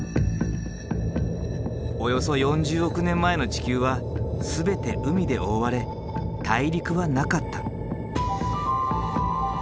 およそ４０億年前の地球は全て海で覆われ大陸はなかった。